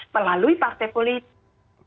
melalui partai politik